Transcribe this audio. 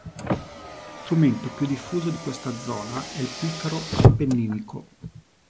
Strumento più diffuso di questa zona è il piffero appenninico.